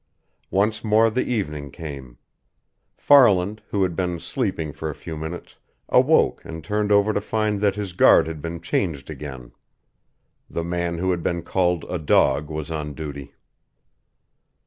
Once more the evening came. Farland, who had been sleeping for a few minutes, awoke and turned over to find that his guard had been changed again. The man who had been called a dog was on duty.